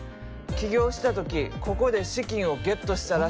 起業した時ここで資金をゲットしたらしい。